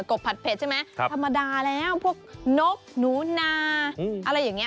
บผัดเผ็ดใช่ไหมธรรมดาแล้วพวกนกหนูนาอะไรอย่างนี้